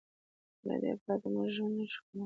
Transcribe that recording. له دې پرته موږ ژوند نه شو کولی.